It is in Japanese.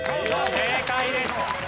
正解です。